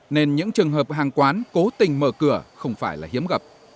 nên những trường hợp hàng quán cố tình mở cửa không phải là hiếm gặp